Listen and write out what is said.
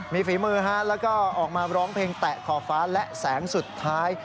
มีฝีมือแล้วก็ออกมาร้องเพลงแตะขอบฟ้าและแสงสุดท้าย